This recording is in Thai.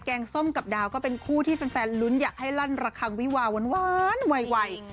งส้มกับดาวก็เป็นคู่ที่แฟนลุ้นอยากให้ลั่นระคังวิวาหวานไว